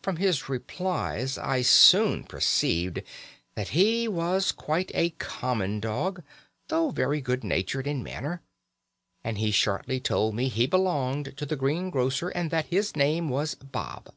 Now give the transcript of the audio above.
From his replies I soon perceived that he was quite a common dog, though very good natured in manner, and he shortly told me he belonged to the green grocer and that his name was 'Bob'.